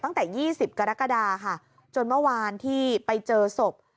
ตั้งแต่๒๐กรกฎาค่ะจนเมื่อวานที่ไปเจอศพ